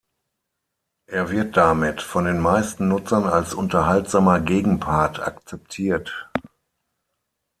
Er wird damit von den meisten Nutzern als unterhaltsamer Gegenpart akzeptiert.